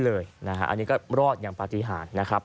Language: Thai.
อันนี้ก็รอดอย่างปฏิหารนะครับ